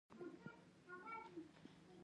له روسيې سره د شمالي کوریا په څیر چلند وکړي.